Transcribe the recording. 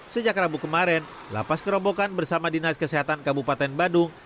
sejak rabu kemarin lapas kerobokan bersama dinas kesehatan kabupaten badung